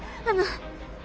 あの。